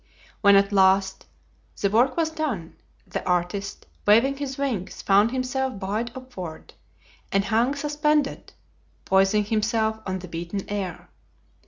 When at last the work was done, the artist, waving his wings, found himself buoyed upward, and hung suspended, poising himself on the beaten air.